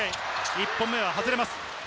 １本目は外れます。